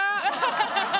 ハハハハ！